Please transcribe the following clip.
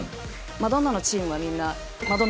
マドンナのチームはみんな。